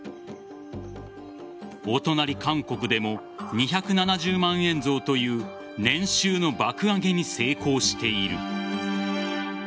お隣、韓国でも２７０万円増という年収の爆上げに成功している。